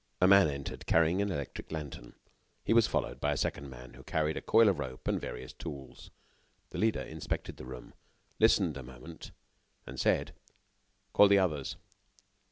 A man entered, carrying an electric lantern. He was followed by a second man, who carried a coil of rope and various tools. The leader inspected the room, listened a moment, and said: "Call the others."